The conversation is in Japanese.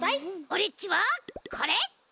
オレっちはこれ！